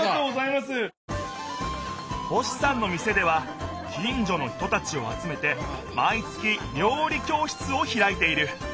星さんの店では近じょの人たちをあつめてまい月料理教室をひらいている。